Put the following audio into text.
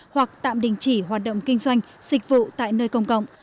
hoặc tạm đình chỉ hoạt động kinh doanh dịch vụ tại nơi công cộng